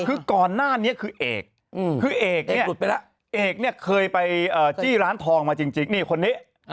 คือก่อนหน้านี้คือเอกเอกเนี่ยเคยไปจี้ร้านทองมาจริงนี่คนนี้